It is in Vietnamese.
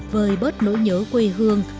với bớt nỗi nhớ quê hương